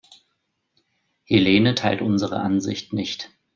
Helene teilt unsere Ansicht nicht.